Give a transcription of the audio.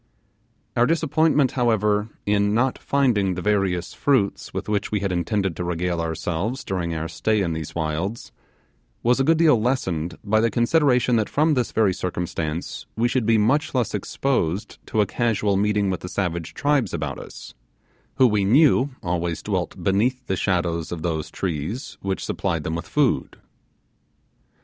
Our disappointment, however, in not finding the various fruits with which we had intended to regale ourselves during our stay in these wilds, was a good deal lessened by the consideration that from this very circumstance we should be much less exposed to a casual meeting with the savage tribes about us, who we knew always dwelt beneath the shadows of those trees which supplied them with food.